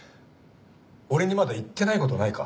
俺にまだ言ってない事ないか？